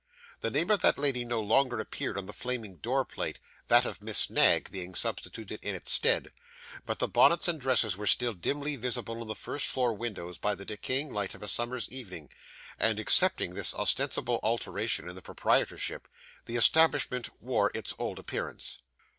The name of that lady no longer appeared on the flaming door plate, that of Miss Knag being substituted in its stead; but the bonnets and dresses were still dimly visible in the first floor windows by the decaying light of a summer's evening, and excepting this ostensible alteration in the proprietorship, the establishment wore its old appearance.